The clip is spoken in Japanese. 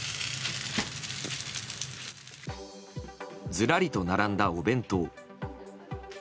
ずらりと並んだお弁当。